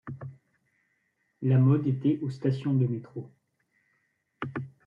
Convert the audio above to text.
La mode était aux stations de métro.